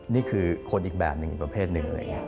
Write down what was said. นี่คือคนอีกแบบหนึ่งประเภทหนึ่ง